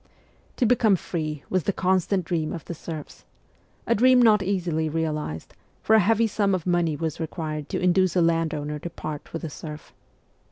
To become free was the constant dream of the serfs a dream not easily realized, for a heavy sum of money was required to induce a landowner to part with a serf.